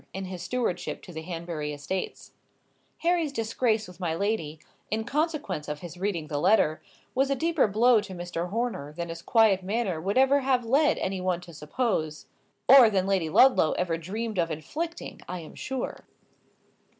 Harry's disgrace with my lady, in consequence of his reading the letter, was a deeper blow to Mr. Horner than his quiet manner would ever have led any one to suppose, or than Lady Ludlow ever dreamed of inflicting, I am sure.